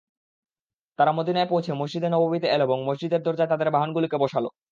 তারা মদীনায় পৌঁছে মসজিদে নববীতে এল এবং মসজিদের দরজায় তাদের বাহনগুলোকে বসাল।